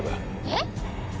えっ！？